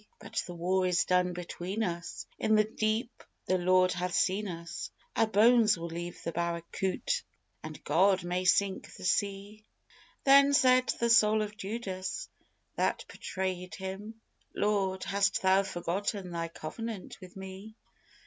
But the war is done between us, In the deep the Lord hath seen us Our bones we'll leave the barracout', and God may sink the sea!" Then said the soul of Judas that betrayèd Him: "Lord, hast Thou forgotten Thy covenant with me?